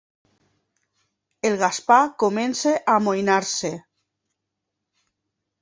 El Gaspar comença a amoïnar-se.